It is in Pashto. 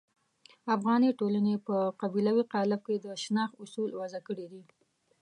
افغاني ټولنې په قبیلوي قالب کې د شناخت اصول وضع کړي دي.